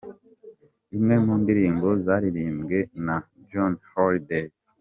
Imwe mu ndirimbo zaririmbwe na Johnny Hallday.